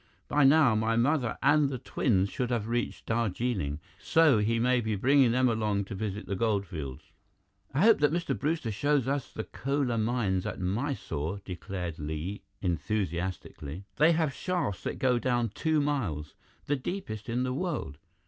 By now, my mother and the twins should have reached Darjeeling, so he may be bringing them along to visit the gold fields." "I hope that Mr. Brewster shows us the Kolar Mines at Mysore," declared Li enthusiastically. "They have shafts that go down two miles, the deepest in the world."